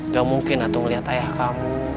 gak mungkin aku ngeliat ayah kamu